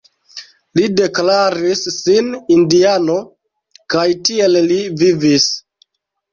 Li deklaris sin indiano kaj tiel li vivis.